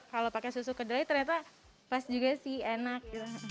kalau pakai susu kedelai ternyata pas juga sih enak